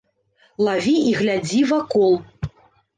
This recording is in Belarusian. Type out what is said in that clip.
Лаві і глядзі вакол!